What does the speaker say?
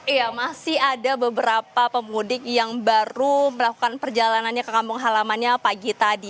iya masih ada beberapa pemudik yang baru melakukan perjalanannya ke kampung halamannya pagi tadi